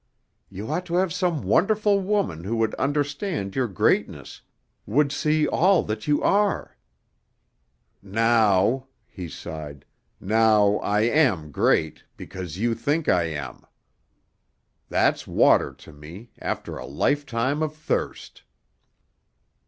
You ought to have some wonderful woman who would understand your greatness, would see all that you are." "Now," he sighed, "now I am great because you think I am; that's water to me after a lifetime of thirst."